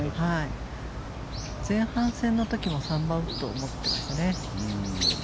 前半戦の時も３番ウッドを持っていましたね。